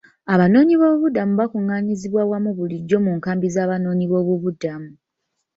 Abanoonyiboobubudamu bakungaanyizibwa wamu bulijjo mu nkambi z'abanoonyiboobubudamu.